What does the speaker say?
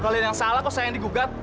kalian yang salah kok sayang digugat